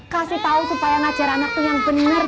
kasih tahu supaya ngajar anak tuh yang bener